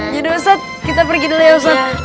yaudah ustadz kita pergi dulu ya ustadz